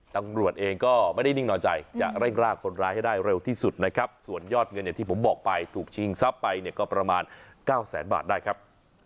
ตำรวจเองก็ไม่ได้นิ่งนอนใจจะเร่งรากคนร้ายให้ได้เร็วที่สุดนะครับส่วนยอดเงินอย่างที่ผมบอกไปถูกชิงทรัพย์ไปเนี่ยก็ประมาณ๙แสนบาทได้ครับ